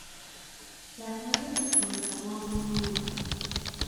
Las nueve personas a bordo murieron.